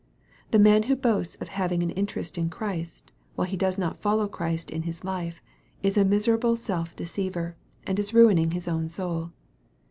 The man who boasts of having an interest in Christ, while he does not follow Christ in his life, is a miserable self deceiver, and is ruining his own soul.